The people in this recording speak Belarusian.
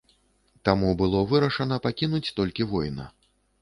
Таму было вырашана пакінуць толькі воіна.